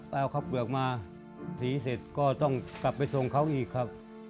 เอาข้าวเปลือกมาสีเสร็จก็ต้องกลับไปส่งเขาอีกครับ